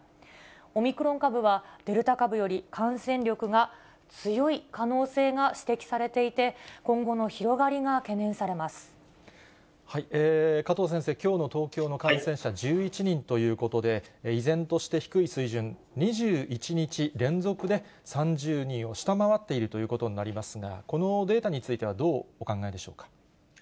オミクロン株は、デルタ株より感染力が強い可能性が指摘されていて、今後の広がり加藤先生、きょうの東京の感染者１１人ということで、依然として低い水準、２１日連続で３０人を下回っているということになりますが、このデータについてはどうお考えでしょうか。